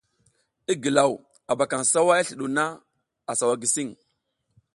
I gilaw, a ɓakaƞ sawa i sliɗuw na, a sawa gisiƞ.